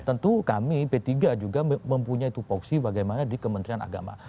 tentu kami p tiga juga mempunyai tupoksi bagaimana di kementerian agama